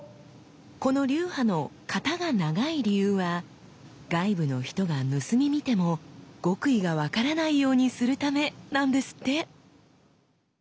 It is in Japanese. この流派の型が長い理由は外部の人が盗み見ても極意が分からないようにするためなんですって！